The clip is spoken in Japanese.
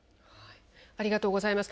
ありがとうございます。